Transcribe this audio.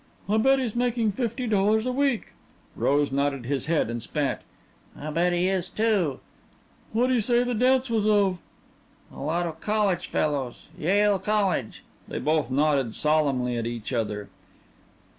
"I bet he's making fifty dollars a week." Rose nodded his head and spat. "I bet he is, too." "What'd he say the dance was of?" "A lot of college fellas. Yale College." They both nodded solemnly at each other.